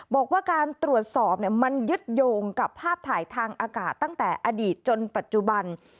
บอกว่าการตรวจสอบมันยึดโยงกับภาพถ่ายทางอากาศตั้งแต่อดีตจนปัจจุบัน